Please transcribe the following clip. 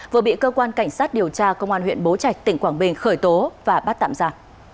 vừa bị cơ quan cảnh sát điều tra công an huyện bố trạch tỉnh quảng bình khởi tố và bắt tạm ra